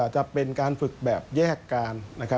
จะเป็นการฝึกแบบแยกการ